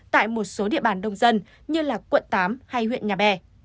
tại một số địa bàn đông dân như là quận tám hay huyện nhà bè